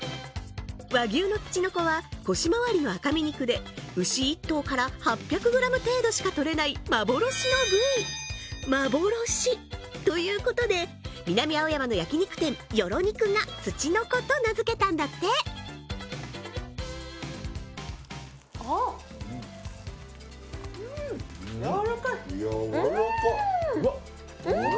和牛のツチノコは腰まわりの赤身肉で牛１頭から８００グラム程度しかとれない幻の部位幻ということで南青山の焼き肉店よろにくが「ツチノコ」と名付けたんだってやわらかいやわらかっ！